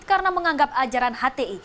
karena menganggap ajaran hti